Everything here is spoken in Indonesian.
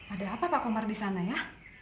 ada apa pak komar di sana ya